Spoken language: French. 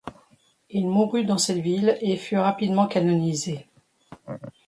Il mourut dans cette ville et fut rapidement canonisé.